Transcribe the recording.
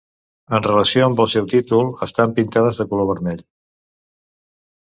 En relació amb el seu títol, estan pintades de color vermell.